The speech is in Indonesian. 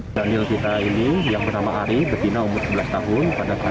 kudanil kita ini yang bernama ari betina umur sebelas tahun